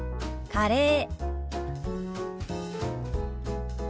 「カレー」。